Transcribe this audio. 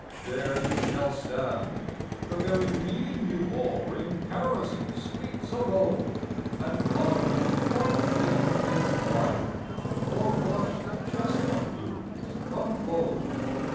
There you shall stand, the very mien You wore in Paris streets of old, And ponder what a thing is life, Or watch the chestnut blooms unfold.